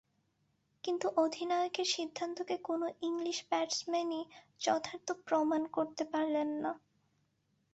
কিন্তু অধিনায়কের সিদ্ধান্তকে কোনো ইংলিশ ব্যাটসম্যানই যথার্থ প্রমাণ করতে পারলেন না।